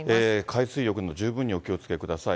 海水浴にも十分にお気をつけください。